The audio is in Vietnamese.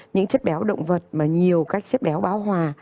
những chất béo động vật mà nhiều các chất béo báo hòa